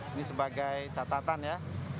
ini sebagai catatan ya